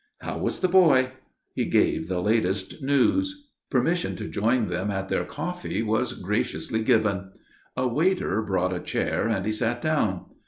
How was the boy? He gave the latest news. Permission to join them at their coffee was graciously given. A waiter brought a chair and he sat down.